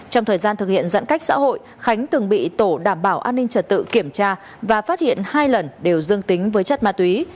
trong thời gian thực hiện giãn cách xã hội khánh từng bị tổ đảm bảo an ninh trật tự kiểm tra và phát hiện hai lần đều dương tính với chất ma túy